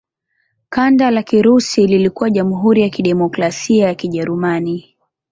Kanda la Kirusi lilikuwa Jamhuri ya Kidemokrasia ya Kijerumani.